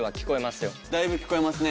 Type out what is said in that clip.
だいぶ聞こえますね。